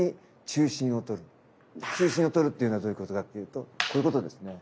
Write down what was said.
中心をとるっていうのはどういうことかっていうとこういうことですね。